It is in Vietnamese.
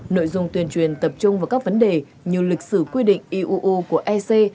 nội dung tuyên truyền tập trung vào các vấn đề như lịch sử quy định iuu của ec